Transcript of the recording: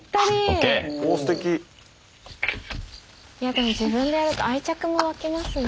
でも自分でやると愛着もわきますね